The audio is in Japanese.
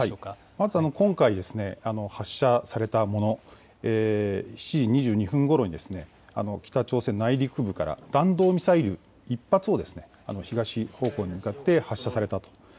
まず今回、発射されたもの、７時２２分ごろに、北朝鮮内陸部から弾道ミサイル１発を、東方向に向かって発射されたと。